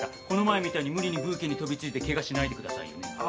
この前みたいに無理にブーケに飛びついてケガしないでくださいよね。